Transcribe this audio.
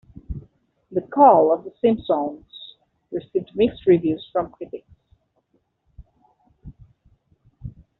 "The Call of the Simpsons" received mixed reviews from critics.